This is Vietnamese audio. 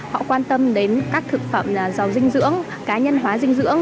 họ quan tâm đến các thực phẩm giàu dinh dưỡng cá nhân hóa dinh dưỡng